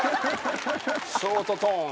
ショートトーン。